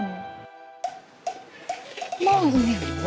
มองเหนื่อยเหรอวะ